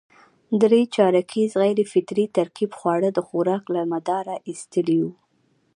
درې چارکیز غیر فطري ترکیب خواړه د خوراک له مداره اېستلي وو.